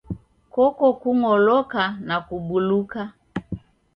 Koko kung'oloka na kubuluka.